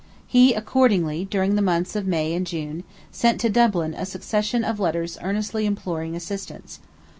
He accordingly, during the months of May and June, sent to Dublin a succession of letters earnestly imploring assistance.